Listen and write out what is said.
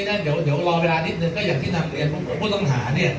ก็อันนี้นะเดี๋ยวรอเวลานิดนึงก็อย่างที่ทางเรียนผมพูดต้องหาเนี่ย